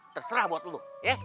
terserah buat lo ya